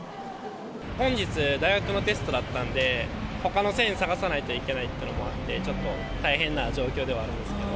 本日、大学のテストだったんで、ほかの線探さないといけないというのもあって、ちょっと大変な状況ではあるんですけど。